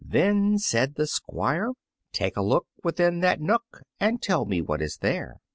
Then said the Squire, "Take a look within that nook And tell me what is there."